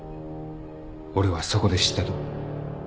俺はそこで知ったと。